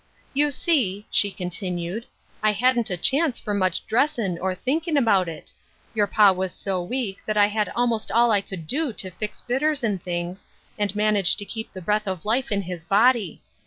" You see," she continued, ^ I hadn't a chance for much dressin' or thinkin' about it ; your pa was so weak that I had about all I could d i to fix bitters and things, and manage tc keep the breath of life in his body.